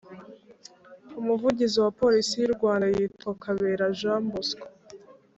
Umuvugizi wa police y’urwanda yitwa kabera jean bosco